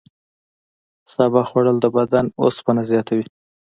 سابه خوړل د بدن اوسپنه زیاتوي.